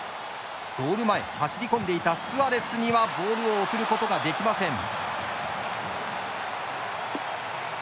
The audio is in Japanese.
ゴール前、走り込んでいたスアレスにはボールを送ることができません。